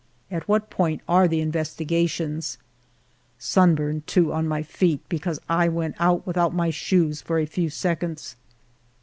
At what point are the investi gations ? Sunburn, too, on my feet, because I went out without my shoes for a few seconds.